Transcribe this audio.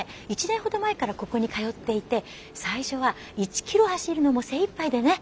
１年ほど前からここに通っていて最初は１キロ走るのも精いっぱいでね。